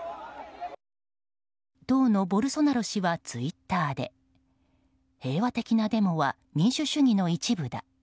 当のボルソナロ氏はツイッターで平和的なデモは民主主義の一部だ。